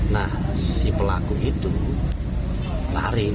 nah si pelaku itu lari